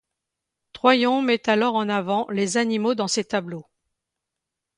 Troyon met alors en avant les animaux dans ses tableaux.